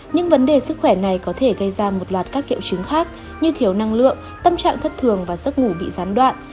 nhưng vấn đề sức khỏe này có thể gây ra một loạt các triệu chứng khác như thiếu năng lượng tâm trạng thất thường và giấc ngủ bị gián đoạn